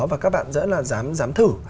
và các bạn rất là dám thử